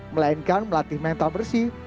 melainkan melatih mental bersih